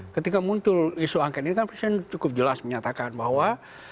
ketika muncul isu angket ini kan presiden cukup jelas menyatakan bahwa